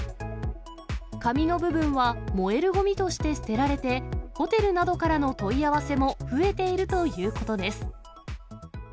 紙の部分は燃えるごみとして捨てられて、ホテルなどからの問い合わせも増えているということです。